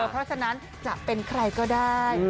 เพราะฉะนั้นจะเป็นใครก็ได้